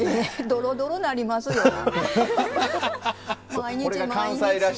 「ドロドロになりますやん」。